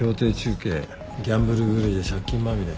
ギャンブル狂いで借金まみれ。